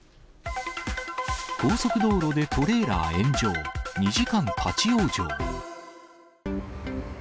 高速道路でトレーラー炎上、２時間立往生。